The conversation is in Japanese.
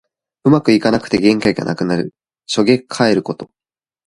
うまくいかなくて元気がなくなる。しょげかえること。